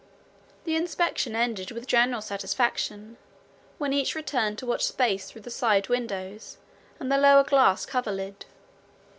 The inspection ended with general satisfaction, when each returned to watch space through the side windows and the lower glass coverlid.